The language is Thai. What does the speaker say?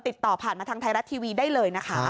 ติดต่อผ่านมาทางไทยรัฐทีวีได้เลยนะคะ